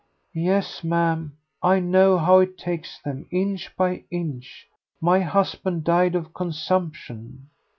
"Yes, ma'am, I know how it takes them, inch by inch. My husband died of consumption."